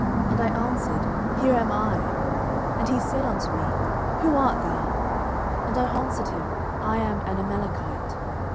And I answered, Here am I. 10:001:008 And he said unto me, Who art thou? And I answered him, I am an Amalekite.